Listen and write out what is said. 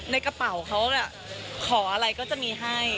ในกระเป๋าเขาขออะไรก็จะมีให้